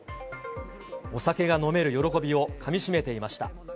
お酒が飲める喜びをかみしめていました。